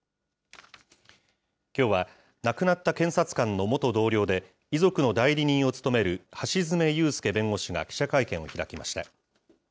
きょうは亡くなった検察官の元同僚で、遺族の代理人を務める橋詰悠佑弁護士が記者会見を開きました。